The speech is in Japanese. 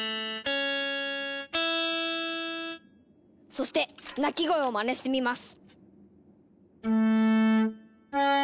そして鳴き声をまねしてみます！